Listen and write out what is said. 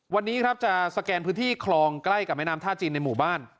วันนี้ครับจะสแกนพื้นที่คลองใกล้กับแม่น้ำท่าจีนในหมู่บ้าน